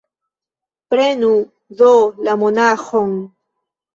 Prenu do la monaĥon!